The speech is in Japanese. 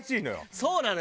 そうなのよ！